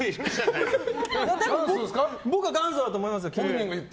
僕が元祖だと思いますよ。